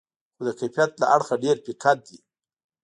خو د کیفیت له اړخه ډېر پیکه دي.